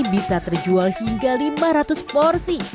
bisa terjual hingga lima ratus porsi